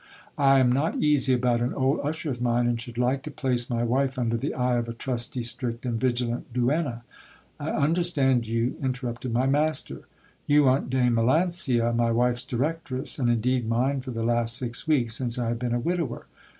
I am not easy about an old usher of mine, and should like to place my wife under the eye of a trusty, strict, and vigilant duenna. I understand you, interrupted my master. You want Dame Melancia, my wife's directress, and indeed mine for the last six weeks, since I have been a widower.